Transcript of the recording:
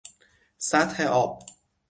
سطح آب